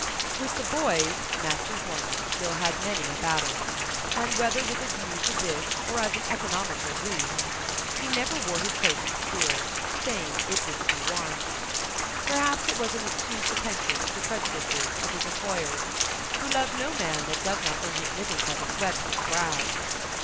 With the boys Master Horner still had many a battle, and whether with a view to this, or as an economical ruse, he never wore his coat in school, saying it was too warm. Perhaps it was an astute attention to the prejudices of his employers, who love no man that does not earn his living by the sweat of his brow.